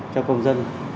cho công dân